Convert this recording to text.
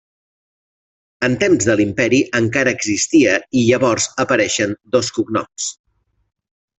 En temps de l'imperi encara existia i llavors apareixen dos cognoms.